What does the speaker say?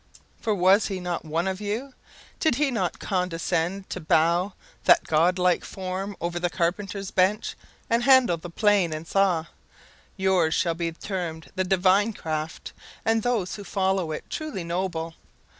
for was he not one of you? Did he not condescend to bow that God like form over the carpenter's bench, and handle the plane and saw? Yours should be termed the Divine craft, and those who follow it truly noble.